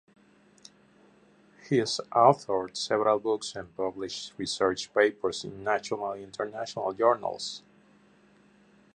He has authored several books and published research papers in national and international journals.